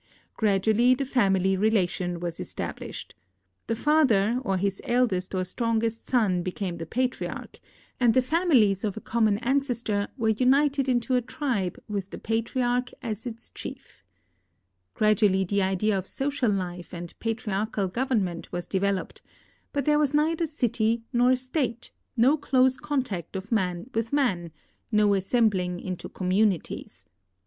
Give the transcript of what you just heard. Gradually the family relation was established. The father or his eldest or strongest son ))ecamo the jKitriarch, and the families of a common ancestor were united into a tril»e with the patriarch as its chief. Gradually the idea of social life and patriarciial government was develojied, but there was neither city nor state, 166 THE EFFECTS OF GEOGRAPHIC ENVIRONMENT no close contact of man with man, no assembling into com munities.